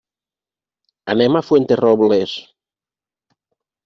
Anem a Fuenterrobles.